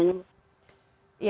ya bisa diulang pertanyaannya